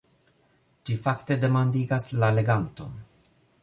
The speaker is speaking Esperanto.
Ĝi fakte demandigas la leganton.